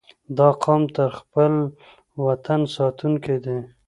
• دا قوم د خپل وطن ساتونکي دي.